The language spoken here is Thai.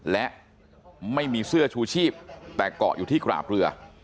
และไม่มีเสื้อชูชีพแต่เกาะอยู่ที่กราบเรือ